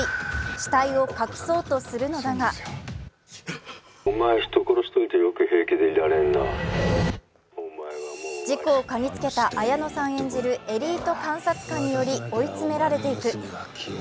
死体を隠そうとするのだが事故をかぎつけた綾野さん演じるエリート監察官により追い詰められていく。